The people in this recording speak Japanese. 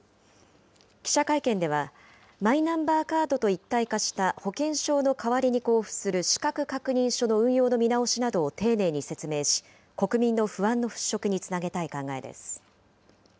記者会見では、マイナンバーカードと一体化した保険証の代わりに交付する資格確認書の運用の見直しなどを丁寧に説明し、国民の不安の払拭につなげたい考えです。